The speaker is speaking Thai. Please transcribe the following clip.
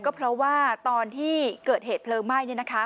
ก็เพราะว่าตอนที่เกิดเหตุเพลิงไหม้เนี่ยนะคะ